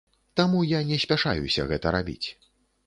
Таму я не спяшаюся гэта рабіць.